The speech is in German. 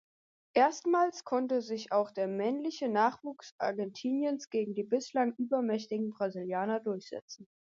Erstmals konnte sich auch der männliche Nachwuchs Argentiniens gegen die bislang übermächtigen Brasilianer durchsetzen.